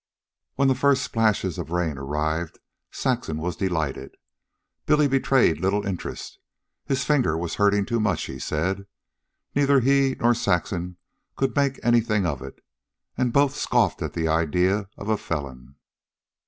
When the first splashes of rain arrived Saxon was delighted. Billy betrayed little interest. His finger was hurting too much, he said. Neither he nor Saxon could make anything of it, and both scoffed at the idea of a felon.